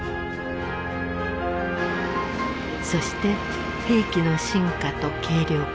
そして兵器の進化と軽量化。